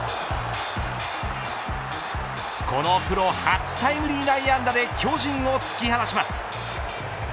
このプロ初タイムリー内野安打で巨人を突き放します。